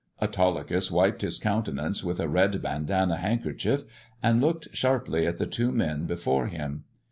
•Autolycus wiped his countenance with a red bandanna handkerchief, and looked sharply at the two men before him.